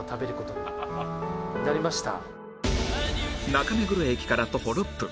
中目黒駅から徒歩６分